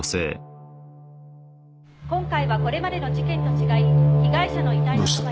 今回はこれまでの事件と違い被害者の遺体のそばに。